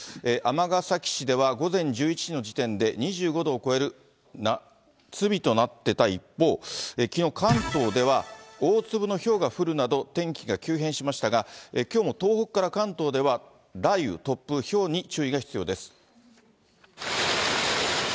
尼崎市では午前１１時の時点で２５度を超える夏日となってた一方、きのう、関東では大粒のひょうが降るなど、天気が急変しましたが、きょうも東北から関東では雷雨、突風、ひょうに注意が必要です。